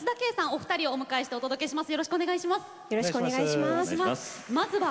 お二人をお迎えしてお届けします。